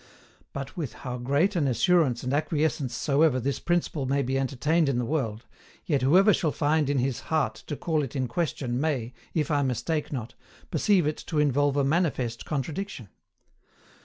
But, with how great an assurance and acquiescence soever this principle may be entertained in the world, yet whoever shall find in his heart to call it in question may, if I mistake not, perceive it to involve a manifest contradiction.